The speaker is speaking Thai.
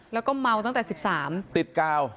แล้วก็เมาตั้งแต่๑๓ติดกาว